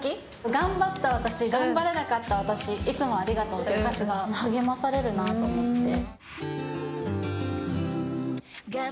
頑張った私、頑張れなかった私いつもありがとうという歌詞が励まされるなと思って。